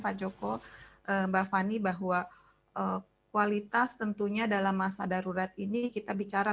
pak joko mbak fani bahwa kualitas tentunya dalam masa darurat ini kita bicara